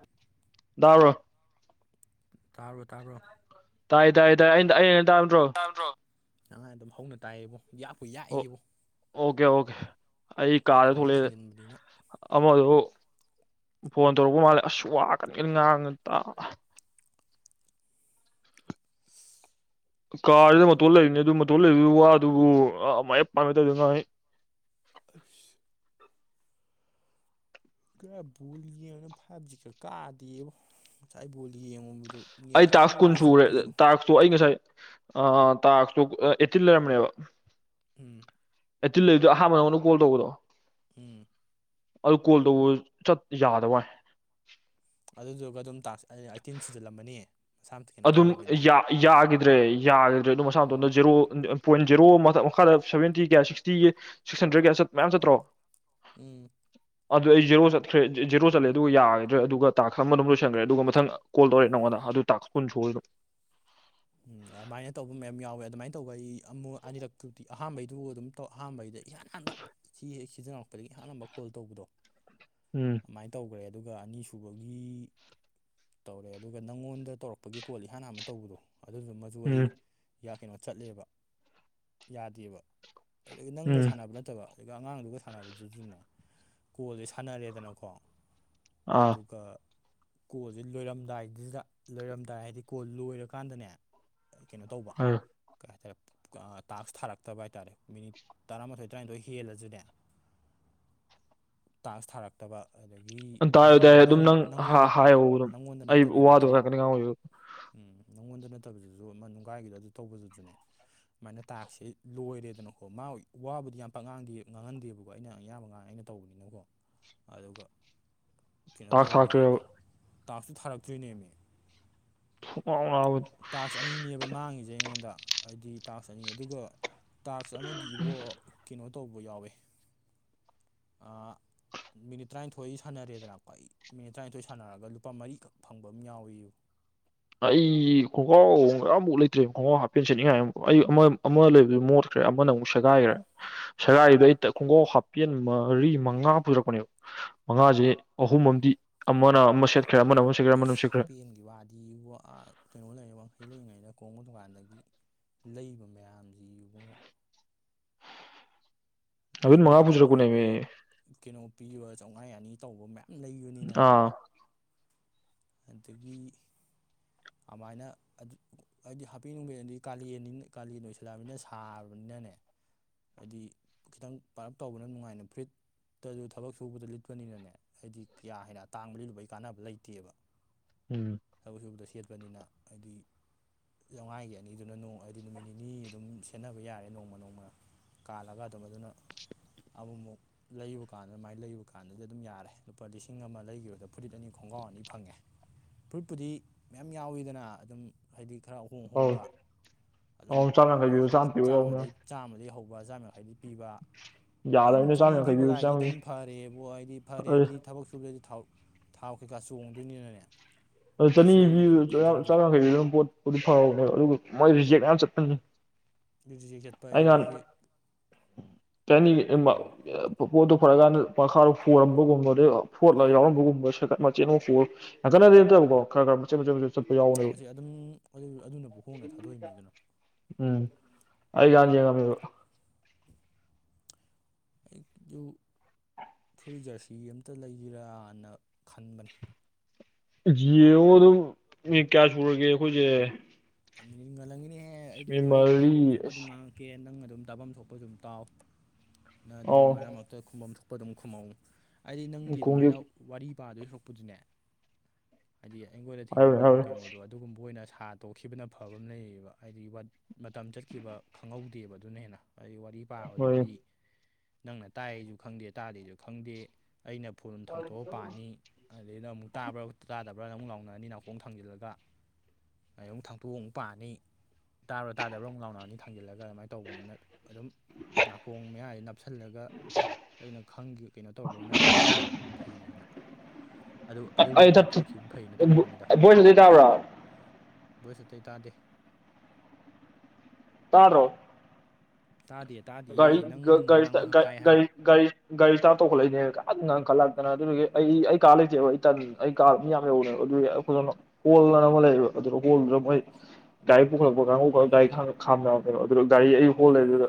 [unintelligible] ꯇꯥꯕ꯭ꯔꯣ ꯇꯥꯕꯔꯣ ꯇꯥꯕ꯭ꯔꯣ ꯇꯥꯏ ꯇꯥꯏ ꯇꯥꯏ ꯑꯩꯅ ꯑꯩꯅ ꯇꯥꯕ ꯅꯠꯇ꯭ꯔꯣ [unintelligible] ꯑꯗꯨꯝ ꯍꯧꯅ ꯇꯥꯏꯌꯦꯕꯣ ꯌꯥꯛꯄꯨ ꯑꯣ ꯌꯥꯛꯏꯕꯣ ꯑꯣꯀꯦ ꯑꯣꯀꯦ ꯑꯩ ꯀꯥꯗꯩ ꯅꯥꯀꯣꯡꯅ ꯊꯣꯛꯂꯛꯑꯦ ꯊꯥꯡꯖꯤꯟꯕꯅꯤꯅ ꯑꯃꯖꯨ ꯐꯣꯟ ꯇꯧꯔꯛꯄ ꯃꯥꯜꯂꯦ ꯑꯁ ꯋꯥ [unintelligible] ꯀꯥꯖꯤꯗ ꯃꯇꯣꯜ ꯂꯩꯔꯤꯅꯤ ꯑꯗꯨ ꯃꯇꯣꯜ ꯂꯩꯕꯗꯨꯒꯤ ꯋꯥ ꯑꯗꯨꯕꯨ ꯃꯥꯏꯞ ꯄꯥꯟꯕꯩ ꯇꯥꯏꯞꯇ ꯉꯥꯡꯉꯤ ꯑꯁ ꯈꯔ ꯕꯣꯜ ꯌꯦꯡꯉꯅ ꯐꯥꯏꯚ ꯖꯤ ꯈꯔ ꯀꯥꯗꯦꯕ ꯉꯁꯥꯏ ꯕꯣꯜ ꯌꯦꯡꯉꯨꯕꯗꯣ ꯅꯦꯠꯀ ꯖꯨꯔꯨ ꯖꯨꯔꯨ ꯆꯨꯞꯄꯤ ꯏꯕꯣ ꯇꯣ ꯑꯩ ꯉꯁꯥꯏ ꯑ ꯇꯥꯛꯁꯇꯣ ꯑꯩꯠꯇꯤꯟ ꯂꯩꯔꯝꯅꯦꯕ ꯎꯝ ꯑꯦꯠꯇꯤꯜꯂꯩꯗꯣ ꯑꯍꯥꯟꯕ ꯅꯉꯣꯟꯗ ꯀꯣꯜ ꯇꯧꯕꯗꯣ ꯎꯝ ꯑꯗꯨ ꯀꯣꯜ ꯇꯧꯕ ꯆꯠ ꯌꯥꯗꯕ ꯋꯥꯅꯤ ꯑꯗꯨꯗꯨꯒ ꯑꯗꯨꯝ ꯇꯥꯛꯁ ꯑꯩꯠꯇꯤꯟ ꯁꯨꯖꯜꯂꯝꯃꯅꯤ ꯃꯁꯥꯝꯇ ꯀꯩꯅꯣ ꯑꯗꯨꯝ ꯇꯧꯗꯕꯩꯗ ꯌꯥ ꯌꯥꯈꯤꯗ꯭ꯔꯦ ꯌꯥꯈꯤꯗ꯭ꯔꯦ ꯑꯗꯨꯝ ꯃꯁꯥ ꯎꯝ ꯃꯇꯣꯝꯗ ꯖꯦꯔꯣ ꯄꯣꯏꯟ ꯖꯦꯔꯣ ꯃꯊꯛ ꯃꯈꯥꯗ ꯁꯕꯦꯟꯇꯤ ꯀꯌꯥ ꯁꯤꯛꯁꯇꯤ ꯁꯤꯛꯁ ꯍꯟꯗ꯭ꯔꯦꯠ ꯀꯌꯥ ꯆꯠ ꯃꯌꯥꯝ ꯆꯠꯇ꯭ꯔꯣ ꯎꯝ ꯑꯗꯨ ꯑꯩ ꯖꯦꯣ ꯆꯠꯈ꯭ꯔꯦ ꯖꯦꯔꯣ ꯆꯠꯂꯦ ꯑꯗꯨꯒ ꯌꯥꯒꯗ꯭ꯔꯦ ꯑꯗꯨꯒ ꯇꯥ ꯈꯔ ꯑꯃ ꯑꯗꯨꯝ ꯂꯣꯏꯁꯟꯈ꯭ꯔꯦ ꯑꯗꯨꯒ ꯃꯊꯪ ꯀꯣꯜ ꯇꯧꯔꯦ ꯅꯪꯉꯣꯟꯗ ꯑꯗꯨ ꯇꯥꯛꯁ ꯀꯨꯟ ꯁꯨꯔꯗꯣ ꯑꯗꯨꯃꯥꯏꯅ ꯇꯧꯕ ꯃꯌꯥꯝ ꯌꯥꯎꯋꯦ ꯑꯗꯨꯃꯥꯏꯅ ꯇꯧꯕ ꯑꯩ ꯑꯃꯨꯛ ꯑꯅꯤꯔꯛꯇꯨꯗꯤ ꯑꯍꯥꯟꯕꯩꯗꯨꯕꯨ ꯑꯗꯨꯝ ꯇꯧ ꯑꯍꯥꯟꯕꯩꯗ ꯏꯍꯥꯟ ꯍꯥꯟꯕ ꯁꯤ ꯍꯦꯛ ꯁꯤꯖꯤꯟꯅꯔꯛꯄꯗꯒꯤ ꯏꯍꯥꯟ ꯍꯥꯟꯕ ꯀꯣꯜ ꯇꯧꯕꯗꯣ ꯎꯝ ꯃꯥꯏꯅ ꯇꯧꯈ꯭ꯔꯦ ꯑꯗꯨꯒ ꯑꯅꯤꯁꯨꯕꯒꯤ ꯇꯧꯔꯦ ꯑꯗꯨꯒ ꯅꯪꯉꯣꯟꯗ ꯇꯧꯔꯛꯄꯒꯤ ꯀꯣꯜ ꯏꯍꯥꯟ ꯑꯃ ꯇꯧꯕꯗꯣ ꯑꯗꯨꯃꯁꯨ ꯑꯩ ꯎꯝ ꯀꯩꯅꯣ ꯆꯠꯂꯦꯕ ꯌꯥꯗꯦꯕ ꯑꯗꯒꯤ ꯅꯪꯒ ꯎꯝ ꯁꯥꯟꯅꯕ ꯅꯠꯇꯕ ꯑꯗꯒꯤ ꯑꯉꯥꯡꯗꯨꯒ ꯁꯥꯟꯅꯕꯗꯨꯁꯨꯅꯦ ꯀꯣꯜꯁꯦ ꯁꯥꯟꯅꯔꯦꯗꯅꯀꯣ ꯑꯥ ꯑꯗꯨꯒ ꯀꯣꯜꯁꯦ ꯂꯣꯏꯔꯝꯗꯥꯏꯗꯨꯗ ꯂꯣꯏꯔꯝꯗꯥꯏ ꯍꯥꯏꯗꯤ ꯀꯣꯜ ꯂꯣꯏꯔꯒ ꯀꯥꯟꯗꯅꯦ ꯀꯩꯅꯣ ꯇꯧꯕ ꯍ ꯀꯩ ꯍꯥꯏꯇꯥꯔꯦ ꯇꯥꯛꯁ ꯊꯥꯔꯛꯇꯕ ꯍꯥꯏꯇꯥꯔꯦ ꯃꯤꯅꯤꯠ ꯇꯔꯥꯃꯥꯊꯣꯏ ꯇꯔꯥꯅꯤꯊꯣꯏ ꯍꯦꯜꯂꯁꯨꯅꯦ ꯇꯥꯟꯁ ꯊꯥꯔꯛꯇꯕ ꯑꯗꯒꯤ ꯑ ꯇꯥꯏꯌꯦ ꯅꯪ ꯇꯥꯏꯌꯦ ꯅꯪ ꯑꯗꯨꯝ ꯅꯪꯉꯣꯟꯗ ꯍꯥꯏꯌꯣ ꯑꯗꯨꯝ ꯅꯪꯉꯣꯟꯗ ꯑꯩ ꯋꯥꯗꯣ ꯅꯠꯇꯕꯤꯗꯁꯨ ꯉꯥꯛꯇꯅꯤ ꯉꯥꯡꯉꯣꯏꯁꯦ ꯎꯝ ꯅꯪꯉꯣꯟꯗ ꯅꯠꯇꯕꯗꯨꯁꯨ ꯑꯃ ꯅꯨꯡꯒꯥꯏꯒꯤꯗ ꯑꯗꯨ ꯇꯧꯕꯗꯨꯗꯨꯅꯦ ꯁꯨꯃꯥꯏꯅ ꯇꯥꯛꯁꯁꯦ ꯂꯣꯏꯔꯦꯗꯅꯀꯣ ꯃꯥ ꯋꯥꯕꯨꯗꯤ ꯌꯥꯝ ꯄꯛꯉꯥꯡꯗꯦ ꯉꯥꯡꯍꯟꯗꯦꯕꯀꯣ ꯑꯩꯅ ꯑꯌꯥꯝꯕ ꯉꯥꯡ ꯑꯩꯅ ꯇꯧꯕꯅꯦ ꯃꯤꯅꯀꯣ ꯑꯗꯨꯒ ꯀꯩꯅꯣ ꯇꯥꯛꯁ ꯇꯧꯔꯤꯌꯦꯅ ꯊꯥꯛꯇ꯭ꯔꯦꯕ ꯇꯥꯛꯁꯇꯨ ꯊꯥꯔꯛꯇ꯭ꯔꯤꯅꯦꯃꯤ [unintelligible] ꯇꯥꯛꯁ ꯑꯅꯤꯅꯦꯕ ꯃꯥꯡꯉꯤꯁꯦ ꯑꯩꯉꯣꯟꯗ ꯍꯥꯏꯗꯤ ꯇꯥꯛꯁ ꯑꯅꯤ ꯑꯗꯨꯒ ꯇꯥꯛꯁ ꯑꯃꯗꯤ ꯏꯕꯣ ꯀꯩꯅꯣ ꯇꯧꯕ ꯌꯥꯎꯋꯦ ꯑꯥ ꯃꯤꯅꯤꯠ ꯇꯔꯥꯅꯤꯊꯣꯏ ꯁꯥꯟꯅꯔꯦꯗꯅꯀ꯭ꯋꯥ ꯑꯩ ꯃꯤꯅꯤꯠ ꯇꯔꯥꯅꯤꯊꯣꯏ ꯁꯥꯟꯅꯔꯒ ꯂꯨꯄꯥ ꯃꯔꯤꯈꯛ ꯐꯪꯕ ꯑꯃ ꯌꯥꯎꯋꯕ ꯑꯩ ꯈꯣꯡꯒ꯭ꯔꯥꯎ ꯑꯝꯃꯨꯛ ꯂꯩꯇ꯭ꯔꯦ ꯈꯣꯡꯒ꯭ꯔꯥꯎ ꯍꯥꯞꯄꯦꯟ ꯁꯦꯠꯅꯤꯡꯉꯥꯏ ꯑꯃꯨꯛ ꯑꯩ ꯑꯃ ꯂꯩꯕꯗꯨ ꯃꯣꯠ ꯭ꯔꯦ ꯑꯃꯅ ꯑꯃꯨꯛ ꯁꯦꯒꯥꯏꯈ꯭ꯔꯦ ꯁꯦꯒꯥꯏꯔꯤꯗꯨꯗ ꯑꯩ ꯈꯣꯡꯒꯥꯎꯞ ꯍꯥꯞꯄꯤꯦꯟꯃ ꯃꯔꯤ ꯃꯉꯥ ꯄꯨꯖꯔꯛꯄꯅꯦꯕ ꯃꯉꯥꯁꯦ ꯑꯍꯨꯝ ꯑꯃꯗꯤ ꯑꯃꯅ ꯑꯃ ꯁꯦꯠꯈ꯭ꯔꯦ ꯑꯃꯅ ꯑꯃ ꯁꯦꯠꯈ꯭ꯔꯦ ꯑꯃꯅ ꯑꯃ ꯑꯁ ꯁꯦꯠꯈ꯭ꯔꯦ ꯍꯥꯄꯦꯝꯒꯤ ꯋꯥꯗꯤ ꯋꯥ ꯀꯩꯅꯣ ꯂꯩ ꯋꯥꯡꯈꯩ ꯂꯩꯔꯤꯉꯩꯗ ꯀꯣꯡꯕ ꯗꯨꯀꯥꯟꯗꯒꯤ ꯂꯩꯕ ꯃꯌꯥꯝꯁꯤ ꯏꯕꯨꯡꯉꯣ ꯑꯗꯨꯝ ꯂꯩꯕ ꯃꯉꯥ ꯍꯥꯏꯗꯤ ꯃꯣꯏꯒꯤꯗꯣ ꯄꯨꯖꯔꯛꯄꯅꯦꯃꯤ ꯀꯩꯅꯣ ꯄꯤꯕ ꯆꯥꯝꯃꯉꯥ ꯑꯅꯤ ꯇꯧꯕ ꯃꯌꯥꯝ ꯂꯩꯕꯅꯤꯅꯕ ꯑꯥ ꯑꯗꯒꯤ ꯑꯃꯥꯏꯅ ꯑꯗꯨ ꯑꯩꯗꯤ ꯍꯥꯞꯄꯦꯟ ꯅꯨꯡꯕꯦꯟ ꯑꯗꯤ ꯀꯥꯂꯦꯟꯅꯤꯅ ꯀꯥꯂꯦꯟ ꯑꯣꯏꯁꯜꯂꯛꯑꯕꯅꯤꯅ ꯁꯥꯔꯕꯅꯤꯅꯅꯦ ꯍꯥꯏꯗꯤ ꯈꯤꯇꯪ ꯄꯥꯔꯞ ꯇꯧꯕꯅ ꯅꯨꯡꯉꯥꯏꯅ ꯐ꯭ꯔꯤꯠꯇꯁꯨ ꯊꯕꯛ ꯁꯨꯕꯗ ꯂꯤꯠꯄꯅꯤꯅꯅꯦ ꯍꯥꯏꯗꯤ ꯀꯌꯥ ꯍꯦꯟꯅꯇꯥꯡꯕ ꯂꯤꯂꯨꯕꯒꯤ ꯀꯥꯟꯅꯕ ꯂꯩꯇꯦꯕ ꯎꯝ ꯊꯕꯛ ꯁꯨꯕꯗ ꯁꯦꯠꯄꯅꯤꯅ ꯍꯥꯏꯗꯤ ꯆꯥꯃꯥꯏꯒꯤ ꯑꯅꯤꯗꯨꯅ ꯅꯣꯡ ꯍꯥꯏꯗꯤ ꯅꯨꯃꯤꯠ ꯅꯤꯅꯤ ꯑꯗꯨꯝ ꯁꯦꯟꯅꯕ ꯌꯥꯔꯦ ꯅꯣꯡꯃ ꯅꯣꯡꯃ ꯀꯥꯜꯂꯒ ꯑꯗꯨꯝ ꯑꯗꯨꯅ ꯑꯃꯨꯛ ꯃꯨꯛ ꯂꯩꯕ ꯀꯥꯟꯗ ꯑꯗꯨꯃꯥꯏꯅ ꯂꯩꯕ ꯀꯥꯟꯗꯗꯤ ꯑꯗꯨꯝ ꯌꯥꯔꯦ ꯂꯨꯄꯥ ꯂꯤꯁꯤꯡ ꯑꯃ ꯂꯩꯈꯤꯕꯗ ꯐꯨꯔꯤꯠ ꯑꯅꯤ ꯈꯣꯡꯒ꯭ꯔꯥꯎ ꯑꯅꯤ ꯐꯪꯉꯦ ꯐꯨꯔꯤꯠꯄꯨꯗꯤ ꯃꯌꯥꯝ ꯌꯥꯎꯋꯤꯗꯅ ꯑꯗꯨꯝ ꯍꯥꯏꯗꯤ ꯈꯔ ꯑꯍꯣꯡ ꯑꯧ ꯍꯣꯡꯕ ꯑꯗꯨꯝ ꯑꯧ ꯆꯥꯝ ꯌꯥꯡꯈꯩ ꯄꯤꯕ ꯆꯥꯝ ꯄꯤꯕ ꯌꯥꯎꯕꯅꯦ ꯆꯥꯝꯃꯗꯒꯤ ꯆꯥꯝꯃꯗꯒꯤ ꯍꯧꯕ ꯆꯥꯝꯃ ꯌꯥꯡꯈꯩꯗꯒꯤ ꯄꯤꯕ ꯑꯗꯨꯝ ꯌꯥꯗꯕꯅꯤꯅ ꯆꯅꯤ ꯆꯥꯝ ꯌꯥꯡꯈꯩ ꯄꯤꯕ ꯄꯤꯕꯒꯥꯏꯗꯤ ꯆꯥꯝ ꯑꯗꯨꯝ ꯐꯔꯦꯕ ꯍꯥꯏꯕꯨ ꯐꯔꯦ ꯍꯥꯏꯗꯤ ꯊꯕꯛ ꯁꯨꯕꯗꯗꯤ ꯊꯥꯎ ꯊꯥꯎ ꯀꯩꯀꯥ ꯆꯣꯡꯗꯣꯏꯅꯤꯅꯅꯦ ꯑꯗꯨ ꯀꯩꯁꯨ ꯌꯥꯝꯅ ꯆꯅꯤꯤꯕ ꯀꯩꯅꯣ ꯆꯥꯝ ꯈꯟꯖꯟꯗꯦꯕ ꯌꯥꯡꯈꯩ ꯑꯗꯨꯝ ꯄꯣꯠꯄꯨꯗꯤ ꯐꯍꯧꯅꯦꯕ ꯑꯗꯨꯒ ꯃꯣꯏ ꯔꯤꯖꯦꯛ ꯌꯥꯝ ꯆꯠꯄꯅꯤ ꯌꯦꯛ ꯌꯦꯠꯄ ꯑꯗꯨꯗꯒꯤ ꯀꯅꯤ ꯄꯣꯠꯇꯣ ꯐꯔꯛꯀꯥꯟꯗ ꯃꯈꯥꯗꯣ ꯍꯣꯔꯝꯕꯒꯨꯝꯕ ꯑꯗꯩ ꯐꯣꯠꯂꯒ ꯌꯥꯎꯔꯝꯕꯒꯨꯝꯕ ꯁꯦꯀꯠ ꯃꯆꯦꯠ ꯑꯃ ꯍꯣ ꯑꯈꯩꯅꯅ ꯑꯗꯨꯣ ꯈ ꯃꯁꯤ ꯑꯗꯨꯝ ꯑꯗꯨꯅꯕꯨ ꯍꯣꯡꯅ ꯊꯥꯗꯣꯛꯏꯃꯤꯗꯅ꯫ ꯎꯝ ꯑꯩꯒꯤꯍꯟ ꯌ‌‌ꯦꯡꯉꯝꯃ‍ꯦꯕ ꯑꯩ ꯗꯨ ꯊꯨꯏ ꯖꯔꯁꯤ ꯑꯃꯝꯇ ꯂꯩꯖꯤꯔꯅ ꯈꯟꯕꯅꯤ ꯖꯤꯌ‌ꯦꯡꯑꯣ ꯑꯗꯨꯝ ꯃꯤꯅꯤꯠ ꯀꯌꯥ ꯁꯨꯔꯒꯦ ꯑꯩꯈꯣꯏꯁꯦ꯫ ꯃꯤꯅꯤꯠ ꯉꯜꯍꯂꯝꯒꯅꯤꯍꯦ ꯑꯩ ꯑꯗꯨꯝ ꯃꯤꯅꯤꯠ ꯑꯩ ꯑꯗꯨꯝ ꯃꯔꯤ ꯉꯥꯡꯐꯝ ꯊꯣꯛꯄ ꯑꯗꯨꯝ ꯑꯁ ꯉꯥꯡꯉ ꯀꯦ ꯅꯪ ꯑꯗꯨꯝ ꯇꯥꯐꯝ ꯊꯣꯛꯄ ꯑꯗꯨꯝ ꯇꯥꯎ ꯅꯪ ꯑꯗꯨꯝ ꯃꯔꯝ ꯑꯧ ꯈꯨꯝꯐꯝ ꯊꯣꯛꯄ ꯑꯗꯨꯝ ꯈꯨꯝꯃꯧ ꯍꯥꯏꯗꯤ ꯅꯪꯒꯤ ꯈꯣꯡꯖꯦ ꯑꯗꯨꯃꯥꯏꯅ꯫ ꯋꯥꯔꯤ ꯄꯥꯗꯣꯏ ꯁꯔꯛꯄꯗꯨꯅꯦ ꯍꯥꯏꯗꯤ ꯑꯩꯉꯣꯟꯗ ꯍꯥꯏꯔꯨꯔꯦ ꯊꯦꯡꯅꯈ꯭ꯔꯤꯕ ꯍꯥꯏꯔꯨꯔꯦ ꯀꯩꯅꯣꯗꯣ ꯑꯗꯨꯒꯨꯝꯕ ꯑꯣꯏꯅ ꯁꯥ ꯇꯧꯗ ꯈꯤꯕꯅ ꯐꯕ ꯑꯃ ꯂꯩꯌꯦꯕ ꯍꯥꯏꯗꯤ ꯃꯇꯝ ꯆꯠꯈꯤꯕ ꯈꯪꯍꯧꯗꯦꯕ ꯑꯗꯨꯅ ꯍꯦꯟꯅ ꯍꯥꯏꯗꯤ ꯋꯥꯔꯤ ꯍꯣꯏ ꯄꯥꯕꯗꯨꯗꯤ ꯅꯪꯅ ꯇꯥꯏꯌꯦꯁꯨ ꯈꯪꯗꯦ ꯇꯥꯗꯦꯁꯨ ꯈꯪꯗꯦ ꯑꯩꯅ ꯐ‌ꯣꯟ ꯊꯥꯡꯇꯣꯛꯑ ꯄꯥꯅꯤ ꯑꯗꯩꯗ ꯑꯃꯨꯛ ꯇꯥꯕ꯭ꯔꯥ ꯇꯥꯗꯕ꯭ꯔꯥꯅ ꯑꯃꯨꯛ ꯂꯥꯎꯅꯔꯅꯤ ꯅꯥꯀꯣꯡ ꯊꯥꯡꯖꯤꯜꯂꯒ ꯑꯑꯩ ꯑꯃꯨꯛ ꯊꯥꯡꯇꯣꯛꯑ ꯑꯃꯨꯛ ꯄꯥꯅꯤ ꯇꯥꯕꯔ ꯇꯥꯗꯕ꯭ꯔꯣ ꯑꯃꯨꯛ ꯂꯥꯎꯅꯥꯑꯅꯤ ꯊꯥꯡꯖꯤꯜꯂꯒ ꯑꯗꯨꯃꯥꯏꯅ ꯇꯧꯕꯅꯤꯅ ꯑꯗꯨꯝ ꯅꯥꯀꯣꯡ ꯃꯌꯥꯏꯁꯦ ꯅꯞꯁꯤꯜꯂꯒ꯫ ꯑꯩꯅ ꯈꯪꯒꯤ ꯀꯩꯅꯣ ꯇꯧꯔꯛꯄ ꯃꯌꯥꯝꯗꯣ ꯑꯗꯨ ꯄꯥꯈꯤꯕꯅ ꯐꯩꯌꯦꯅ꯫ ꯑꯗꯨ ꯑꯗꯨ ꯋꯥꯔꯤꯗꯨ ꯂꯤꯊꯣꯛꯈꯤꯕ ꯐꯩꯅ ꯇꯧꯕꯅ ꯚꯣꯏꯁꯗꯤ ꯇꯥꯕ꯭ꯔꯥ꯫ ꯚꯣꯏꯁ ꯑꯇꯩ ꯇꯥꯗꯦ ꯇꯥꯗ꯭ꯔꯣ꯫ ꯇꯥꯗ‌ꯦꯠ ꯒꯔꯤ ꯒꯔꯤ ꯒꯔꯤ ꯏꯁꯇꯥꯠ ꯒꯔꯤ ꯒꯔꯤ꯫ ꯒꯥꯔꯤ ꯏꯁꯇꯥꯠ ꯇꯧꯈꯠꯂꯛꯏꯅꯦ ꯀ ꯉꯪꯈꯠꯂꯛꯇꯅ ꯑꯗꯨꯒꯤ ꯑꯩ ꯑꯩ ꯀꯥ ꯂꯩꯇꯦꯕ ꯑꯩ ꯇꯟ ꯑꯩ ꯀꯥ ꯃꯤ ꯌꯥꯝ ꯂꯩꯍꯧꯕꯅꯦꯕ ꯑꯗꯨꯒꯤ ꯑꯩꯈꯣꯏꯅ ꯑꯃ ꯍꯣꯜ ꯑꯅ ꯑꯃ ꯂꯩꯌꯦꯕ ꯑꯗꯨꯅ ꯍꯣꯜꯗꯨꯗ ꯃꯣꯏ꯫ ꯒꯥꯔꯤ ꯄꯨꯈꯠꯂꯛꯄ ꯀꯥꯡꯕꯨ ꯒꯥꯔꯤ [unintelligible] ꯈꯥꯝꯅꯕ ꯀꯩꯅꯣ ꯑꯗꯨ ꯒꯥꯔꯤ ꯑꯩ ꯍꯣꯜꯂ ꯂꯩꯑꯗꯨꯗ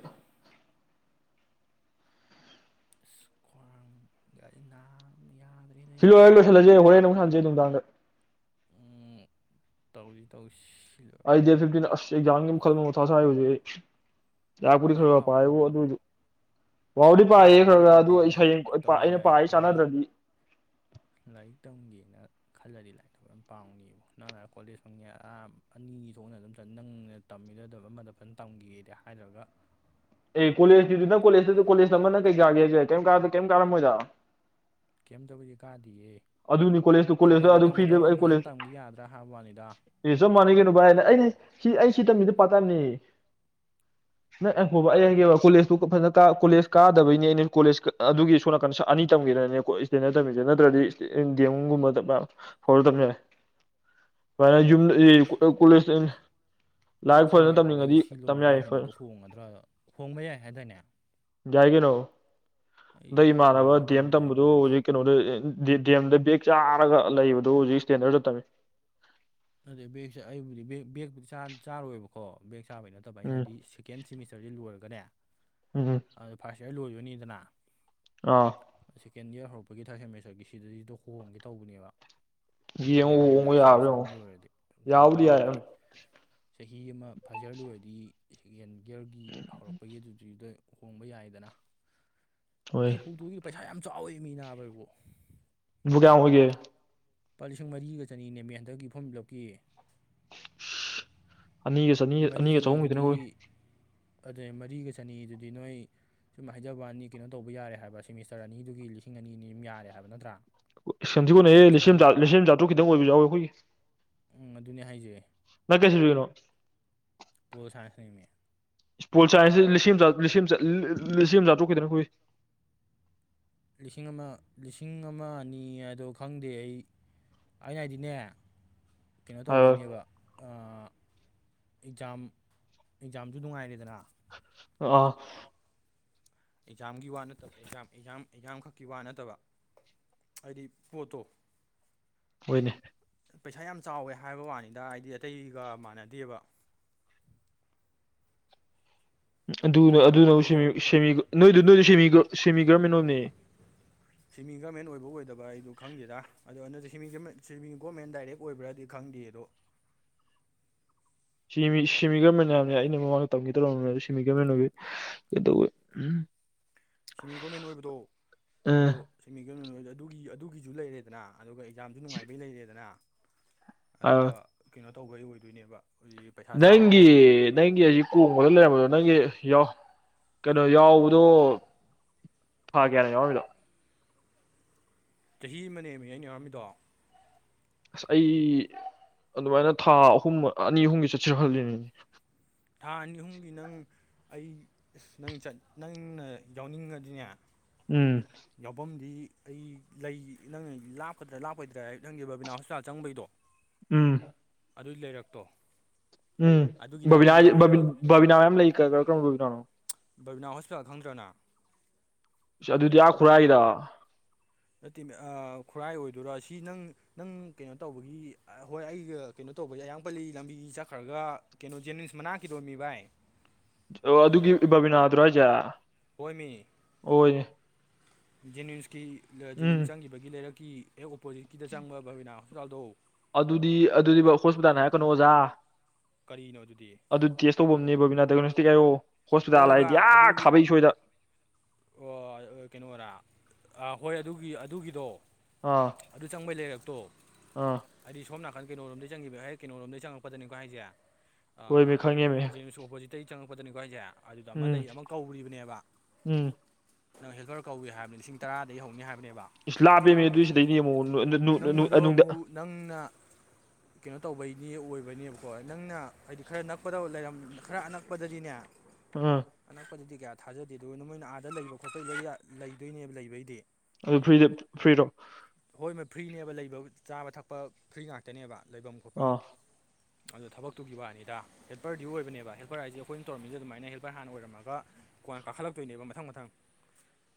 ꯑꯁ ꯈ꯭ꯨꯋꯥꯥꯡ ꯒꯁꯦ ꯅꯕꯗꯥ ꯌꯥꯗꯦ꯫ ꯁꯤ ꯂꯣꯏ ꯂꯣꯏꯁꯤꯜꯂꯁꯦ ꯍꯣꯔꯦꯟ ꯑꯃꯨꯛ ꯁꯥꯟꯖꯦ ꯅꯨꯡꯗꯥꯡꯗ꯫ ꯎꯝ ꯇꯧꯖꯤ ꯇꯧꯁꯤ꯫ ꯑꯩ ꯗꯦꯠ ꯐꯤꯞꯇꯤꯟꯗ ꯑꯁ‌ ꯏꯛꯖꯥꯝꯒꯤꯕꯨ ꯈꯟꯕꯗ ꯃꯊꯥꯁ ꯁꯥꯏ ꯍꯧꯖꯤꯛ ꯑꯩ ꯂꯥꯏꯔꯤꯛꯄꯨꯗꯤ ꯂꯥꯏꯔꯤꯛ ꯈꯔꯈꯔ ꯄꯥꯎ ꯄꯌ‌ꯦꯕꯨ ꯄꯥꯎꯕꯅꯦ ꯑꯗ‌ꯣꯏꯖꯨ ꯄꯕꯨꯗꯤ ꯅꯣꯏ ꯄꯥꯏꯌꯦ ꯈꯔ ꯑꯗꯨꯃꯥꯏꯅ ꯈꯔ ꯑꯗꯨ ꯑꯩ ꯇꯧꯒꯦꯅ ꯁꯩꯔ‌ꯦꯡ [unintelligible] ꯇꯧꯋꯦ ꯑꯩꯅ ꯂꯥꯏꯔꯤꯛ ꯄꯥꯏꯖꯤꯒ ꯂꯥꯏꯔꯤꯛ ꯆꯥꯟꯅꯗ꯭ꯔꯗꯤ꯫ ꯂꯥꯏꯔꯤꯛ ꯇꯝꯒꯦꯅ꯫ ꯈꯜꯂꯗꯤ ꯂꯥꯏꯔꯤꯛꯇꯣ ꯑꯗꯨꯝ ꯄꯥꯎꯅꯦ ꯏꯕꯣ ꯅꯪꯅ ꯀꯣꯂꯦꯖ ꯐꯪꯉꯦ ꯑ ꯑꯅꯤ ꯊꯣꯛꯅ ꯑꯗꯨꯝ ꯆꯟ ꯅꯪꯅ ꯇꯝꯃꯤꯒꯗꯕ ꯑꯃꯗ ꯐꯅ ꯇꯝꯈꯤꯒꯦꯗ ꯍꯥꯏꯔꯒ ꯑꯦ ꯀꯣꯂꯦꯖꯀꯤꯗꯨ ꯅꯪ ꯀꯣꯂꯦꯇꯁꯨ ꯀꯣꯂꯦꯖ ꯑꯃꯅ ꯀꯩꯥꯒꯦ ꯀꯩꯝꯗ ꯀꯩꯝ ꯀꯥꯔꯝꯣꯏꯗ ꯀꯩꯝ ꯇꯕꯨꯗꯤ ꯀꯥꯏꯗꯤꯌꯦ ꯑꯗꯨꯅꯤ ꯀꯣꯂꯦꯖꯇꯨ ꯀꯣꯂꯦꯖꯇ ꯑꯩꯅꯍꯥꯏꯗꯤ ꯑꯗꯨ ꯐ꯭ꯔꯤꯗ ꯇꯝꯒꯗꯕ ꯑꯩ ꯑꯃ ꯐꯖꯅ ꯀꯣꯂꯦꯖ ꯇꯝꯈꯤ ꯌꯥꯗ꯭ꯔꯥ ꯍꯥꯏꯕ ꯋꯥꯅꯤꯗ꯫ ꯑꯦ ꯆꯞ ꯃꯥꯟꯅ ꯀꯩꯅꯣ ꯚꯥꯏꯅ ꯑꯩꯗꯤ ꯁꯤ ꯑꯩ ꯁꯤ ꯇꯝꯃꯤꯁꯤ ꯄꯥꯇ ꯇꯥꯏꯝꯅꯤ [inaudible] ꯅ ꯑꯩ ꯍꯣꯕ ꯑꯩ ꯍꯥꯏꯒꯦ ꯀꯣꯂꯦꯖꯇꯨ ꯐꯖꯅ ꯀꯣꯂꯦꯖ ꯀꯥꯗꯕꯩꯅꯦ ꯑꯩꯅ ꯀꯣꯂꯦꯖ ꯑꯗꯨꯒꯤ ꯁꯣ ꯅꯥꯀꯟ ꯑꯅꯤ ꯇꯝꯈꯤꯔꯅꯦ ꯀꯣꯏ ꯏꯁꯇꯦꯟꯗ꯭ꯔ ꯇꯝꯃꯤꯁꯦ ꯅꯠꯇ꯭ꯔꯗꯤ ꯗꯤ ꯑ‌ꯦꯝ ꯒꯨꯝꯕ ꯍꯧꯕꯗꯩ ꯇꯝ ꯌꯥꯔ‌ꯦ ꯄꯔ ꯌꯨꯝꯗ꯫ [unintelligible] ꯀꯣꯂꯦꯖ [unintelligible] ꯑꯩ ꯂꯥꯏꯔꯤꯛ ꯐꯖꯅ ꯈꯪꯗꯦ ꯅꯥꯕ ꯑꯩ ꯇꯝꯅꯤꯡꯉꯗꯤ ꯁꯤ ꯇꯝ ꯌꯥꯏ ꯂꯣꯏꯔꯒ ꯀꯩꯅꯣꯗꯣ ꯌꯥꯏ ꯍꯣꯡꯒꯗ꯭ꯔꯥ ꯍꯣꯡꯕ ꯌꯥꯏ ꯍꯥꯏꯗꯥꯏꯅꯦ ꯌꯥꯏꯒꯤꯅꯣ ꯅꯗꯪ ꯑꯩ ꯏꯃꯥꯟꯅꯕ ꯊꯧꯕꯥꯜꯗ ꯗꯤ ꯑꯦꯝ ꯍꯣꯡꯉꯁꯦ ꯇꯝꯕꯗꯨ ꯈꯪꯗꯦ ꯍꯧꯖꯤꯛ ꯀꯩꯅꯣꯗ ꯗꯦꯝꯗ ꯕꯦꯛ ꯆꯥꯔꯒ ꯂꯩꯕꯗꯣ ꯍꯧꯖꯤꯛ ꯁ꯭ꯇꯦꯟꯗꯔꯗ ꯇꯝꯃꯤ ꯅꯠꯇ‌ꯦ ꯕ‌ꯦꯒꯁ‌ꯦ ꯑꯩꯕꯨꯗꯤ ꯕꯦꯒ ꯕꯦꯒ ꯆꯥꯟ ꯆꯥꯔꯣꯏꯕꯀꯣ ꯕꯦꯒ ꯆꯥꯕꯩ ꯅꯠꯇꯕ ꯑꯩꯅ ꯎꯝ ꯍꯥꯏꯗꯤ ꯁꯤꯛ ꯁꯦꯀꯦꯟ ꯁꯦꯃꯤꯁꯇꯔꯁꯤ ꯂꯣꯏꯔꯒꯅꯦ ꯎꯨꯝ ꯎꯨꯝ ꯑꯗ ꯐꯥꯔꯁ ꯏꯌꯥꯔ ꯂꯣꯏꯗꯣꯏꯅꯤꯗꯅ ꯑꯥ ꯁꯦꯀꯦꯟ ꯌꯥꯔ ꯍꯧꯔꯛꯄꯒꯤ ꯊꯥꯔꯠ ꯁꯦꯃꯦꯁꯇꯔꯒꯤ ꯁꯤꯗꯗꯤꯗꯣ ꯍꯣꯡꯒꯦ ꯇꯧꯕꯅꯦꯕ꯫ ꯌꯦꯡꯉꯣ ꯌꯥꯅꯤꯅ ꯍꯣꯡꯕ ꯌꯥꯕ꯭ꯔꯥ ꯁꯤꯃꯤꯁꯇꯔ ꯌꯦꯡꯉꯣ ꯑꯃ ꯂꯣꯏꯔ ꯀꯩꯅꯣꯝ ꯌꯥꯕꯨꯗꯤ ꯑꯃ ꯌꯥꯏ ꯌꯥꯝ ꯂꯣꯏꯔꯗꯤ ꯆꯍꯤ ꯑꯃ ꯐꯥꯁꯌꯥꯔ ꯂꯣꯏꯔꯗꯤ ꯌꯦꯟ ꯌꯔꯒꯤ ꯍꯧꯔꯛꯄꯒꯤꯗꯨꯏꯗ ꯍꯣꯡꯕ ꯌꯥꯏꯗꯅ ꯍꯣꯏ ꯑꯩ ꯍꯧꯡꯗꯣꯛꯗꯤ ꯄꯩꯁꯥ ꯌꯥꯝ ꯆꯥꯎꯋꯦ ꯃꯤ ꯅꯥꯕ ꯏꯕꯣ ꯕꯨ ꯀꯌꯥꯝ ꯑꯣꯏꯒꯦ ꯂꯨꯄꯥ ꯂꯤꯁꯤꯡ ꯃꯔꯤꯒ ꯆꯅꯤꯅꯦꯝꯃꯤ ꯍꯟꯗꯛꯀꯤ ꯐꯣꯝ ꯐꯤꯂꯞꯀꯤ ꯑꯅꯤꯒ ꯆꯅꯤ ꯅꯣꯏ ꯃꯔꯤ ꯑꯅꯤꯒ ꯆꯍꯨꯝ ꯈꯤꯇꯪ ꯆꯅꯤꯗꯨꯗꯤ ꯑꯣꯏ ꯑꯗꯨ ꯃꯔꯤꯒ ꯆꯅꯤꯗꯨꯗꯤ ꯅꯣꯏ ꯁꯨꯝ ꯍꯥꯏꯖꯕ ꯋꯥꯅꯤ ꯀꯩꯅꯣ ꯇꯧꯕ ꯌꯥꯔꯦ ꯍꯥꯏꯕ ꯁꯦꯃꯤꯁꯇꯔ ꯑꯅꯤꯗꯨꯒꯤ ꯂꯤꯁꯤꯡ ꯑꯅꯤ ꯑꯅꯤꯝ ꯌꯥꯔꯦ ꯍꯥꯏꯕ ꯅꯠꯇ꯭ꯔꯥ ꯏꯁ [unintelligible] ꯂꯤ ꯍꯥꯏꯗꯤ ꯆꯍꯨꯝ ꯂꯤꯁꯤꯡꯑꯝ ꯆꯥꯇ꯭ꯔꯨꯛ ꯈꯤꯇꯪ ꯑꯣꯏꯕ ꯌꯥꯎꯏ ꯑꯩꯈꯣꯏꯒꯤ ꯎꯝ ꯑꯗꯨꯅꯦ ꯍꯥꯏꯖꯦ ꯅꯪ ꯀꯩ ꯁꯕꯖꯦꯒꯅꯣ ꯄꯣꯜ ꯁꯥꯥꯏꯟꯁ ꯅꯦꯃꯤ ꯏꯁ ꯄꯣꯜ ꯁꯥꯏꯟꯁ ꯂꯤꯁꯤꯡ ꯑꯃ ꯆꯥ ꯆꯥꯇ꯭ꯔꯨꯛ ꯈꯤꯇꯗꯅꯦ ꯑꯩꯈꯣꯏ ꯂꯤꯁꯤꯡ ꯑꯃ ꯂꯤꯁꯤꯡ ꯑꯃ ꯑꯅꯤ ꯍꯥꯏꯗꯣ ꯈꯪꯗꯦ ꯑꯩ ꯑꯩꯅ ꯍꯥꯏꯗꯤꯅꯦ ꯀꯩꯅꯣ ꯑꯥ ꯇꯧꯕꯩꯅꯦꯕ ꯑꯦꯛꯖꯥꯝ ꯑꯦꯛꯖꯥꯝꯁꯨ ꯅꯨꯡꯉꯥꯏꯔꯦꯗꯅ ꯑꯥ ꯑꯦꯛꯖꯥꯝꯒꯤ ꯋꯥ ꯅꯠꯇꯕ ꯑꯦꯛꯖꯥꯝ ꯑꯦꯛꯖꯥꯝ ꯑꯦꯛꯖꯥꯝꯈꯛꯀꯤ ꯋꯥ ꯅꯠꯇꯕ ꯍꯥꯏꯗꯤ ꯄꯣꯠꯇꯣ ꯍꯣꯏꯅꯦ ꯄꯩꯁꯥ ꯌꯥꯝ ꯆꯥꯎꯋꯦ ꯍꯥꯏꯕ ꯋꯥꯅꯤꯗ ꯍꯥꯏꯗꯤ ꯑꯇꯩꯒ ꯃꯥꯟꯅꯗꯦꯕ ꯑꯗꯨ ꯅ ꯑꯗꯨ ꯑꯇꯩꯒ ꯑꯇꯩꯒ ꯅꯣꯏ ꯅꯣꯏꯗꯨ ꯁꯦꯃꯤ ꯁꯦꯃꯤ ꯒꯕꯔꯃꯦꯟ ꯑꯣꯏꯔꯝꯅꯤ [unintelligible] ꯁ꯭ꯤꯃꯤꯡ ꯒꯔꯃꯦꯟ ꯑꯣꯏꯕ ꯑꯣꯏꯗꯕ ꯑꯩꯗꯨꯣ ꯈꯪꯗꯦꯗ ꯑꯗꯣ ꯑꯗꯨꯗ ꯁ꯭ꯤꯃꯤꯡ ꯒꯣꯔꯃꯦꯟ ꯗꯥꯏꯔꯦꯛ ꯑꯣꯏꯕ꯭ꯔꯗꯤ ꯈꯪꯗꯦ ꯑꯗꯣ ꯁꯤꯃꯤ ꯁꯤꯃꯤ ꯒꯕꯔꯃꯦꯟꯅꯤ ꯍꯥꯏꯕꯅꯦ ꯑꯩꯅ ꯃꯃꯥꯡꯗ ꯇꯝꯒꯦ ꯇꯧꯔꯝꯃꯕꯅꯦ ꯁꯤꯃꯤ ꯒꯕꯔꯃꯦꯟ ꯑꯣꯏꯕꯩ [unintelligible] ꯁꯤꯃꯤ ꯒꯣꯕꯔꯃꯦꯟ ꯑꯣꯏꯕꯗꯣ ꯑꯥ ꯑꯗꯣ ꯁꯤꯃꯤ ꯒꯣꯔꯃꯦꯟ ꯑꯣꯏꯕꯗꯣ ꯑꯗꯨꯒꯤ ꯑꯗꯨꯒꯤꯁꯨ ꯂꯩꯔꯦꯗꯅ ꯑꯗꯨꯒ ꯑꯦꯛꯖꯥꯝꯁꯨ ꯅꯨꯡꯉꯥꯏꯕꯩ ꯂꯩꯔꯦꯗꯅ ꯑꯗꯨꯒ ꯑꯥ ꯀꯩꯅꯣ ꯇꯧꯕꯩ ꯑꯣꯏꯗꯣꯏꯅꯦꯕ ꯍꯧꯖꯤꯛ ꯄꯩꯁꯥ ꯅꯪꯒꯤ ꯆꯥꯎꯔꯤꯁꯦ ꯅꯪꯒꯤ ꯍꯧꯖꯤꯛ ꯀꯣꯡꯕꯗ ꯂꯩꯔꯝꯕꯗꯣ ꯅꯪꯒꯤ ꯌꯥ ꯀꯩꯅꯣ ꯌꯥꯎꯕꯗꯣ ꯊꯥ ꯀꯌꯥꯅꯣ ꯌꯥꯎꯔꯝꯃꯤꯗꯣ ꯆꯍꯤ ꯑꯃ ꯅꯦꯝꯃꯤ ꯑꯩꯅ ꯌꯥꯎꯔꯝꯃꯤꯗꯣ ꯑꯁ ꯑꯩ ꯑꯗꯨꯃꯥꯏꯅ ꯊꯥ ꯑꯍꯨꯝ ꯑꯅꯤ ꯑꯍꯨꯝꯒꯤ ꯆꯠꯁꯤꯔ ꯍꯜꯂꯤꯅꯤꯅꯦ ꯊꯥ ꯑꯅꯤ ꯑꯍꯨꯝꯒꯤ ꯅꯪ ꯑꯩ ꯑꯁ ꯅꯪ ꯅꯪꯅ ꯌꯥꯎꯅꯤꯡꯉꯗꯤꯅꯦ ꯎꯝ ꯌꯥꯎꯐꯝꯗꯤ ꯑꯩ ꯂꯩ ꯅꯪ ꯂꯥꯞꯀꯗ꯭ꯔꯥ ꯂꯥꯞꯄꯣꯏꯗ꯭ꯔꯥ ꯍꯥꯏ ꯅꯪꯒꯝ ꯕꯕꯤꯅꯥ ꯍꯣꯁꯄꯤꯇꯥꯜ ꯆꯪꯕꯩꯗꯣ [unintelligible] ꯎꯝ ꯑꯗꯨꯏ ꯂꯩꯔꯛꯇꯣ ꯎꯝ ꯑꯗꯨꯒꯤꯗ ꯕꯕꯤꯅꯥ ꯑꯃ ꯍꯥꯏꯖꯤ ꯂꯩꯌꯦꯕ ꯕꯕꯤ ꯍꯦꯜꯄꯔ ꯕꯕꯤꯅꯥ ꯃꯌꯥꯝ ꯂꯩ ꯀꯔꯝ ꯕꯕꯤꯅꯥꯅꯣ ꯆꯥ ꯕꯥꯕꯤꯅꯥ ꯍꯣꯁꯄꯤꯇꯥꯜ ꯈꯪꯗ꯭ꯔ ꯅꯪ ꯑꯁ ꯑꯗꯨꯗꯤ ꯑ ꯈꯨꯔꯥꯏꯒꯤꯗꯣ ꯅꯠꯇꯦꯃꯤ ꯑ ꯈꯨꯔꯥꯏ ꯑꯣꯏꯗꯣꯏꯔꯥ ꯁꯤ ꯅꯪ ꯅꯪ ꯀꯩꯅꯣ ꯇꯧꯕꯒꯤ ꯍꯣꯏ ꯑꯩꯒ ꯀꯩꯅꯣ ꯇꯧꯕ ꯑꯌꯥꯡ ꯄꯜꯂꯤ ꯂꯝꯕꯤ ꯆꯠꯈ꯭ꯔꯒ ꯀꯩꯅꯣ ꯖꯦꯅꯤꯟꯁ ꯃꯅꯥꯛꯀꯤꯗꯣꯝ ꯃꯤ ꯚꯥꯏ ꯑꯣ ꯑꯗꯨꯒꯤ ꯕꯥꯕꯤꯅꯥꯗꯨꯔꯣ ꯍꯥꯏꯖꯦ ꯍꯣꯏꯃꯤ ꯑꯣꯏ ꯖꯦꯅꯤꯝꯁꯀꯤ ꯑꯥ ꯎꯝ ꯖꯦꯅꯤꯝꯁ ꯆꯪꯈꯤꯕꯒꯤ ꯂꯩꯔꯛꯀꯤ ꯑꯦ ꯑꯣ ꯄꯣꯖꯤꯠꯀꯤꯗ ꯆꯪꯕ ꯕꯕꯤꯅꯥ ꯍꯣꯁꯄꯤꯇꯥꯜꯗꯣ ꯑꯗꯨꯗꯤ ꯑꯗꯨꯗꯤ ꯍꯣꯁꯄꯤꯇꯥꯜ ꯍꯥꯏꯔꯛꯀꯅꯨ ꯑꯣꯖꯥ ꯀꯔꯤꯅꯣ ꯑꯗꯨꯗꯤ ꯑꯗꯨ ꯇꯦꯁ ꯇꯧꯕ ꯑꯃꯅꯦ ꯕꯣꯕꯤꯅꯥ ꯗꯥꯏꯒꯅꯣꯁꯇꯤꯛ ꯍꯥꯏꯔꯣ ꯍꯣꯁꯄꯤꯇꯥꯜ ꯍꯣꯏꯕ ꯍꯥꯏꯗꯤꯌꯥ ꯈꯥꯕꯩ ꯁꯣꯏꯗ ꯑꯣ ꯀꯩꯅꯣꯔꯥ ꯍꯣꯏ ꯑꯗꯨꯒꯤ ꯑꯗꯨꯒꯤꯗꯣ ꯑꯥ ꯑꯗꯨ ꯆꯪꯕꯩ ꯂꯩꯔꯛꯇꯣ ꯑꯥ ꯑꯩꯗꯤ ꯁꯣꯝ ꯅꯥꯀꯟ ꯀꯩꯅꯣꯔꯣꯝꯗꯩ ꯆꯪꯈꯤꯕꯕ ꯍ ꯀꯩꯅꯣꯔꯣꯝꯗꯒꯤ ꯆꯪꯉꯛꯄꯗꯅꯤꯀꯣ ꯍꯥꯏꯁꯦ ꯍꯣꯏꯃꯤ ꯈꯪꯉꯦꯃꯤ ꯖꯦꯝꯁ ꯑꯣꯄꯣꯖꯤꯇꯩꯒꯤ ꯆꯪꯉꯛꯄꯗꯅꯤꯀꯣ ꯑꯩꯁꯦ ꯑꯗꯨꯗ ꯑꯃ ꯎꯝ ꯂꯩ ꯑꯃ ꯀꯧꯔꯤꯕꯅꯦꯕ ꯎꯝ ꯅꯪ ꯍꯦꯜꯄꯔ ꯀꯧꯋꯦ ꯍꯥꯏꯕꯅꯤ ꯂꯤꯁꯤꯡ ꯇꯔꯥꯗꯒꯤ ꯍꯧꯅꯤ ꯍꯥꯏꯕꯅꯦꯕ ꯏꯁ ꯂꯥꯞꯄꯅꯦ ꯑꯗꯨꯏ ꯁꯤꯗꯩꯗꯤ ꯑꯃꯨꯛ ꯑꯅꯨ ꯅꯪ ꯅꯨ ꯑꯗꯣ ꯅꯨꯗ ꯑꯃꯨꯛ ꯅꯪꯅ ꯀꯩꯅꯣ ꯇꯧꯕꯩꯗꯤ ꯑꯣꯏꯕꯅꯦꯕꯀꯣ ꯅꯪꯅ ꯍꯥꯏꯗꯤ ꯈꯔ ꯅꯛꯄꯗ ꯂꯩꯔꯝ ꯈꯔ ꯑꯅꯛꯄꯗꯗꯤꯅꯦ ꯑꯥ ꯑꯅꯛꯄꯗꯗꯤ ꯀꯌꯥ ꯊꯥꯖꯗꯦ ꯑꯗꯨꯒ ꯅ ꯃꯣꯏꯅ ꯑꯥꯗ ꯂꯩꯕ ꯈꯣꯠꯄ ꯂꯩꯗꯣꯏꯅꯦꯕ ꯂꯩꯕꯩꯗꯤ ꯑꯗꯨ ꯐ꯭ꯔꯤꯗ ꯐ꯭ꯔꯤꯗꯣ ꯍꯣꯏ ꯃ ꯐ꯭ꯔꯤꯅꯦꯕ ꯂꯩꯕ ꯆꯥꯕ ꯊꯛꯄ ꯐ꯭ꯔꯤ ꯉꯥꯛꯇꯅꯦꯕ ꯂꯩꯕꯝ ꯈꯣꯠꯄꯝ ꯑꯥ ꯑꯗꯣ ꯊꯕꯛꯇꯨꯒꯤ ꯋꯥꯅꯤꯗ ꯍꯦꯜꯄꯔꯗꯤ ꯑꯣꯏꯕꯅꯦ ꯍꯦꯜꯄꯔ ꯍꯥꯏꯖꯦ ꯑꯩꯈꯣꯏꯅ ꯇꯧꯔꯝꯃꯤꯁꯦ ꯑꯗꯨꯃꯅ ꯍꯦꯜ ꯔ ꯍꯥꯟꯅ ꯑꯣꯏꯔꯝꯃꯒ ꯀꯣꯟꯅ ꯀꯥꯈꯠꯂꯛꯇꯣꯏꯅꯦꯕ ꯃꯊꯪ ꯃꯊꯪ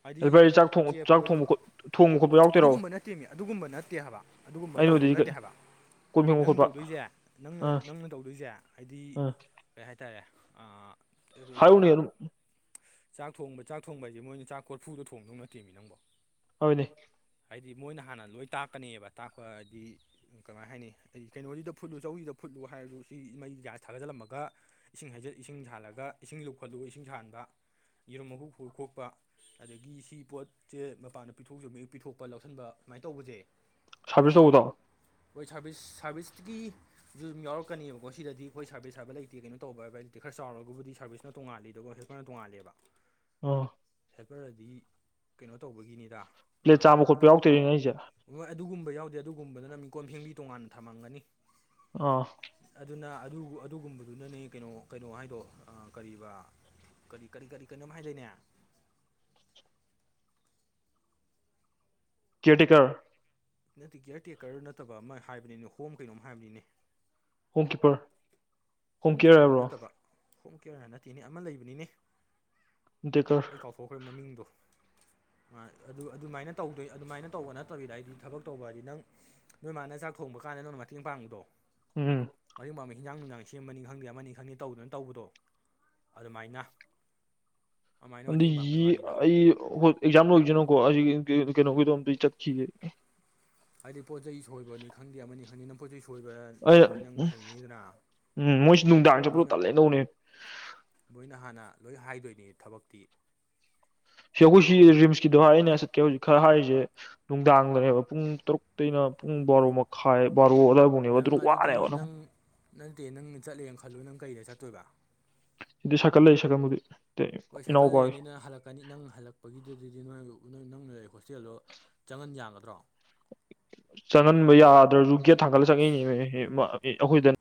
ꯍꯥꯏꯗꯤ ꯑꯗꯨ ꯚꯥꯏ ꯀꯨ ꯆꯥꯛ ꯊꯣꯡ ꯀꯦꯞ ꯆꯥꯛ ꯑꯣꯏꯔꯤ ꯊꯣꯡꯕ ꯈꯣꯠ ꯊꯣꯡꯕ ꯈꯣꯠꯄ ꯌꯥꯎꯗꯣꯏꯔꯣ ꯑꯗꯨꯒꯨꯝꯕ ꯅꯠꯇꯦꯃꯤ ꯑꯗꯨꯒꯨꯝꯕ ꯅꯠꯇꯦ ꯍꯥꯏꯕ ꯑꯗꯨꯒꯨꯝꯕ ꯇꯧꯗꯧ ꯑꯩꯅꯕꯨꯗꯤ ꯀꯩ ꯅꯠꯇꯦ ꯍꯥꯏꯕ ꯀꯣꯟ ꯐꯦꯡꯕ ꯅꯪ ꯈꯣꯠꯄ ꯇꯧꯗꯣꯏꯁꯦ ꯅꯪꯅ ꯑꯥ ꯅꯪꯅ ꯇꯧꯗꯣꯏꯁꯦ ꯍꯥꯏꯗꯤ ꯑꯥ ꯀꯩ ꯍꯥꯏꯇꯥꯔꯦ ꯑꯩꯈꯣꯏꯒꯤ ꯑꯣꯏꯔꯝ ꯆꯥꯛ ꯊꯣꯡꯕ ꯆꯥꯛ ꯊꯣꯡꯕ ꯍꯥꯏꯁꯦ ꯃꯣꯏꯅ ꯆꯥꯛ ꯀꯣꯔꯐꯨꯗ ꯊꯣꯡꯗꯧ ꯅꯠꯇꯦꯃꯤ ꯅꯪꯕꯣ ꯍꯣꯏꯅꯦ ꯍꯥꯏꯗꯤ ꯃꯣꯏꯅ ꯍꯥꯟꯅ ꯂꯣꯏ ꯇꯥꯛꯀꯅꯦꯕ ꯇꯥꯛꯄ ꯍꯥꯏꯗꯤ ꯀꯃꯥꯏꯅ ꯍꯥꯏꯅꯤ ꯑꯩ ꯀꯩꯅꯣꯁꯤꯗ ꯐꯨꯠꯂꯨ ꯆꯧꯁꯤꯗ ꯐꯨꯠꯂꯨ ꯍꯥꯏꯔꯗꯨ ꯁꯤ ꯃꯩ ꯒ꯭ꯌꯥꯁ ꯊꯥꯒꯖꯤꯜꯂꯝꯃꯒ ꯏꯁꯤꯡ ꯍꯩꯖꯤꯠ ꯏꯁꯤꯡ ꯁꯥꯍꯜꯂꯒ ꯏꯁꯤꯡ ꯂꯨꯈꯠꯂꯨꯒ ꯏꯁꯤꯡ ꯁꯥꯍꯟꯥꯟꯕ ꯌꯦꯔꯨꯝ ꯃꯨ ꯍꯨ ꯈꯣꯛꯄ ꯑꯗꯒꯤ ꯁꯤ ꯄꯣꯠꯁꯦ ꯃꯄꯥꯟꯗ ꯄꯤꯊꯣꯛꯆ ꯄꯤꯊꯣꯛꯄ ꯂꯧꯁꯤꯟꯕ ꯁꯨꯃꯥꯏꯅ ꯇꯧꯕꯁꯦ ꯁꯥꯔꯚꯤꯁꯕꯤꯁ ꯇꯧꯕꯗꯣ ꯑꯩꯈꯣꯏ ꯁꯔꯕꯤꯁ ꯁꯔꯕꯤꯁꯇꯒꯤ ꯑꯗꯨꯨ ꯑꯗꯨꯝ ꯌꯥꯎꯛꯀꯅꯦꯕꯀꯣ ꯁꯤꯗꯤ ꯑꯩ ꯍꯣꯏ ꯁꯥꯔꯚꯤꯁ ꯍꯥꯏꯕ ꯂꯩꯇꯦ ꯀꯩꯅꯣ ꯇꯧꯕ ꯍꯥꯏꯕ ꯂꯩꯇꯦ ꯈꯔ ꯆꯥꯎꯔꯒꯕꯨꯗꯤ ꯁꯥꯔꯚꯤꯁꯁꯅ ꯇꯣꯉꯥꯜꯂꯤꯗꯀꯣ ꯈꯣꯏꯅ ꯇꯣꯡꯉꯥꯜꯂꯦꯕ ꯑꯣ ꯍꯦꯄꯔ ꯍꯥꯏꯗꯤ ꯀꯩꯅꯣ ꯇꯧꯕꯒꯤꯅꯤꯗ ꯄ꯭ꯂꯦꯠ ꯆꯥꯃ ꯈꯣꯠꯄ ꯌꯥꯎꯗꯣꯏꯔꯤꯅꯦ ꯑꯩꯁꯦ ꯍꯣꯏ ꯑꯗꯨꯒꯨꯝꯕ ꯌꯥꯎꯗꯦ ꯑꯗꯨꯒꯨꯝꯕꯗꯅ ꯃꯤꯀꯣꯟ ꯐꯦꯡꯕꯤ ꯇꯣꯉꯥꯟꯅ ꯊꯝꯃꯝꯒꯅꯤ ꯑ ꯑꯗꯨꯅ ꯑꯗꯨꯒꯨꯝꯕꯗꯨꯅꯅꯦ ꯀꯩꯅꯣ ꯀꯩꯅꯣ ꯍꯥꯏꯗꯣ ꯀꯔꯤꯕ ꯀꯔꯤ ꯀꯔꯤ ꯀꯔꯤ ꯀꯩꯅꯣꯝ ꯍꯥꯏꯗꯣꯏꯅꯦ ꯀꯦꯌꯥꯔ ꯇꯦꯀꯔ ꯅꯠꯇꯦ ꯀꯤꯌꯔ ꯇꯦꯀꯔ ꯅꯠꯇꯕ ꯑꯃ ꯍꯥꯏꯕꯅꯤꯅꯦ ꯍꯣꯝ ꯀꯩꯅꯣꯝ ꯍꯥꯏꯕꯅꯤꯅꯦ ꯍꯣꯝ ꯀꯤꯄꯔ ꯍꯣꯝ ꯀꯤꯞꯄꯔ ꯅꯠꯇꯕ ꯍꯣꯝ ꯀꯦꯌꯥ ꯅꯠꯇꯦꯅꯦ ꯑꯃ ꯂꯩꯕꯅꯤꯅꯦ ꯑꯗꯨꯒꯀꯣ ꯑꯩ ꯀꯥꯎꯊꯣꯛꯈ꯭ꯔꯦ ꯃꯃꯤꯡꯗꯣ ꯑꯗꯨ ꯑꯗꯨꯃꯥꯏꯅ ꯇꯧꯗꯣꯏ ꯑꯗꯨꯃꯥꯏꯅ ꯇꯧꯕ ꯅꯠꯇꯕꯤꯗ ꯍꯥꯏꯗꯤ ꯊꯕꯛ ꯇꯧꯕ ꯍꯥꯏꯗꯤ ꯅꯪ ꯅꯣꯏ ꯃꯥꯅ ꯆꯥꯛ ꯊꯣꯡꯕ ꯀꯥꯟꯗ ꯅꯣꯏꯅ ꯃꯇꯦꯡ ꯄꯥꯡꯕꯗꯣ ꯎꯝ ꯃꯨꯝꯕ ꯍ ꯆꯥꯡ ꯅꯨꯡꯉꯏ ꯁꯦꯝ ꯑꯃꯅꯤꯅꯤ ꯈꯪꯗꯦ ꯑꯃꯅꯤ ꯈꯪꯗꯦ ꯇꯧꯗꯨꯅ ꯇꯧꯕꯗꯣ ꯑꯗꯨꯃꯥꯏꯅ ꯑꯗꯨꯃꯥꯏꯅ ꯑꯗꯨ ꯃꯇꯦꯡ ꯄꯥꯡꯕꯩ ꯋꯥꯅꯤꯗ ꯑꯩ ꯍ ꯑꯦꯛꯖꯥꯝ ꯂꯣꯏꯗꯅꯨꯀꯣ ꯑꯩ ꯀꯩꯅꯣꯒꯤꯗꯣꯝꯇ ꯆꯠꯈꯤꯒꯦ ꯍꯥꯏꯗꯤ ꯄꯣꯠꯆꯩ ꯁꯣꯏꯕꯅꯤ ꯈꯪꯗꯦ ꯑꯃꯅꯤ ꯈꯪꯗꯦꯅ ꯄꯣꯠꯆꯩ ꯁꯣꯏꯕ ꯑꯩ ꯅꯪ ꯍꯥꯏꯅꯤꯗꯥ ꯎꯝ ꯃꯣꯏꯁꯨ ꯅꯨꯡꯗꯥꯡ ꯃꯣꯏ ꯆꯠꯄꯗꯣ ꯇꯜꯂꯦ ꯇꯧꯅꯦ ꯃꯣꯏꯅ ꯍꯥꯟꯅ ꯂꯣꯏ ꯍꯥꯏꯗꯣꯏꯅꯤ ꯊꯕꯛꯇꯤ ꯁꯤ ꯑꯩꯈꯣꯏ ꯁꯤ ꯔꯤꯝꯁꯀꯤꯗꯣꯚ ꯑꯩꯅ ꯆꯠꯀꯦ ꯍꯧꯖꯤꯛ ꯈꯔ ꯍꯥꯏꯔꯤꯁꯦ ꯅꯨꯡꯗꯥꯡꯗꯅꯦꯕ ꯄꯨꯡ ꯇꯔꯨꯛꯇꯩꯩꯅ ꯄꯨꯡ ꯕꯥꯔꯣ ꯃꯈꯥꯏ ꯕꯥꯔꯣ ꯑꯗꯨꯏ ꯅꯪ ꯑꯗꯨꯗꯤ ꯅꯪ ꯅꯠꯇꯦ ꯅꯪ ꯆꯠꯂꯦꯅ ꯈꯜꯂꯨ ꯅꯪ ꯀꯩꯗ ꯆꯠꯇꯣꯏꯕ ꯏꯗꯤ ꯁꯥꯏꯀꯜ ꯑꯂꯩ ꯁꯥꯏꯀꯜꯕꯨꯗꯤ ꯍꯣꯏ ꯁꯥꯏꯀꯜ ꯏꯅꯥꯎꯄꯥꯒꯤ ꯂꯩꯔꯅꯤꯅ ꯍꯜꯂꯛꯄ ꯀꯅꯤ ꯅꯪ ꯍꯜꯂꯛꯄꯒꯤꯗꯨꯗꯤ ꯅꯣꯏ ꯅ ꯅꯪꯅ ꯍꯣꯁꯇꯦꯜꯗꯣ ꯆꯪꯍꯟ ꯌꯥꯒꯗ꯭ꯔꯣ ꯆꯪꯍꯟꯕ ꯌꯥꯗ꯭ꯔꯁꯨ ꯒꯦꯠ ꯊꯥꯡꯒꯠꯂ ꯆꯪꯉꯏꯅꯦ ꯑꯩꯈꯣꯏꯗꯅꯦ